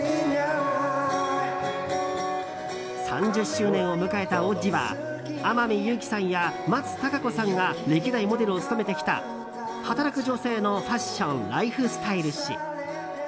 ３０周年を迎えた「Ｏｇｇｉ」は天海祐希さんや、松たか子さんが歴代モデルを務めてきた働く女性のファッション・ライフスタイル誌。